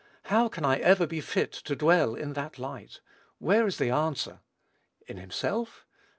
How can I ever be fit to dwell in that light? Where is the answer? In himself?